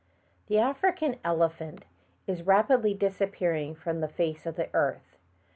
HE African elephant is rapidly disappearing from the face of the earth.